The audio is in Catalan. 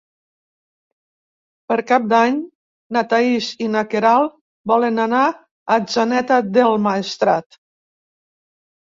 Per Cap d'Any na Thaís i na Queralt volen anar a Atzeneta del Maestrat.